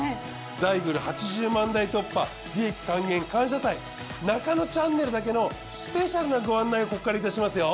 ザイグル８０万台突破利益還元感謝祭『ナカノチャンネル』だけのスペシャルなご案内をここからいたしますよ。